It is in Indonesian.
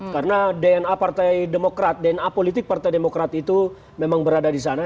karena dna partai demokrat dna politik partai demokrat itu memang berada di sana